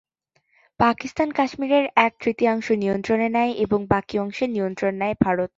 পাকিস্তান কাশ্মীরের এক-তৃতীয়াংশ নিয়ন্ত্রণে নেয় এবং বাকি অংশের নিয়ন্ত্রণ নেয় ভারত।